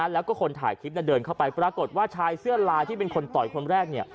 แล้วก็คนถ่ายคลิปเดินเข้าไปปรากฏว่าชายเสื้อลายที่เป็นคนต่อยคนแรก